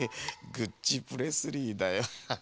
グッチプレスリーだよ。ハハハ。